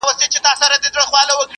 دوی سر ورکوي خو عزت نه ورکوي.